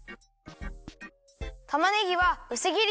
たまねぎはうすぎりにするよ。